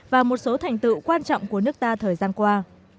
và một số thành tựu quan trọng của nước ta thời gian qua